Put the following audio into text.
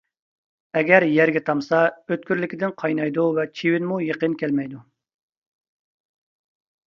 ئەگەر يەرگە تامسا، ئۆتكۈرلۈكىدىن قاينايدۇ ۋە چىۋىنمۇ يېقىن كەلمەيدۇ.